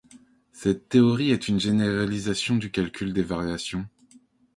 Cette théorie est une généralisation du calcul des variations.